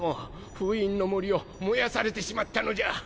封印の森を燃やされてしまったのじゃ。